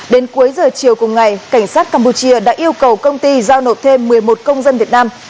đến cuối giờ chiều cùng ngày cảnh sát campuchia đã yêu cầu công ty giao nộp thêm một mươi một công dân việt nam